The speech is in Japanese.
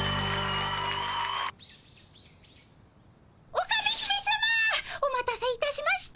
オカメ姫さまお待たせいたしました。